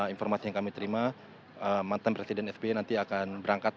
informasi yang kami terima mantan presiden sby nanti akan berangkat